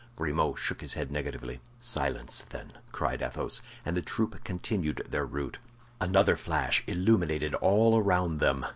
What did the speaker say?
Grimaud shook his head negatively. "Silence, then!" cried Athos. And the troop continued their route. Another flash illuminated all around them.